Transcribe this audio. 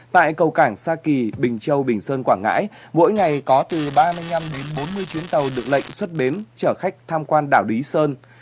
tại cầu cảng sa kỳ bình châu bình sơn quảng ngãi mỗi ngày có từ ba mươi năm đến bốn mươi chuyến tàu được lệnh xuất bến chở khách tham quan đảo lý sơn